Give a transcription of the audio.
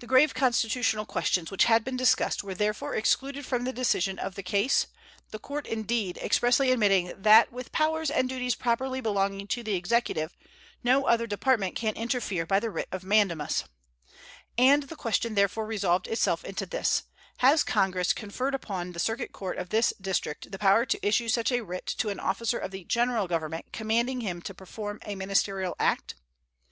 The grave constitutional questions which had been discussed were therefore excluded from the decision of the case, the court, indeed, expressly admitting that with powers and duties properly belonging to the executive no other department can interfere by the writ of mandamus; and the question therefore resolved itself into this: Has Congress conferred upon the circuit court of this District the power to issue such a writ to an officer of the General Government commanding him to perform a ministerial act?